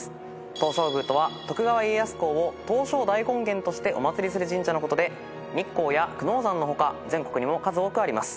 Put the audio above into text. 東照宮とは徳川家康公を東照大権現としてお祭りする神社のことで日光や久能山の他全国にも数多くあります。